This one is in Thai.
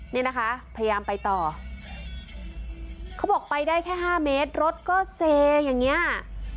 นี่นะคะพยายามไปต่อเขาบอกไปได้แค่๕เมตรรถก็เซอย่างนี้